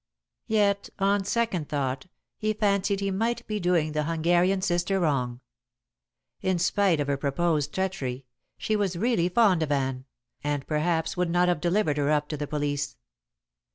Yet on second thought he fancied he might be doing the Hungarian sister wrong. In spite of her proposed treachery, she was really fond of Anne, and perhaps would not have delivered her up to the police.